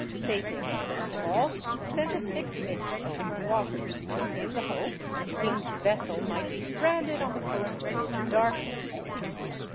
Satan, first of all, sent a thick mist over the waters, in the hope that the king's vessel might be stranded on the coast amid the darkness.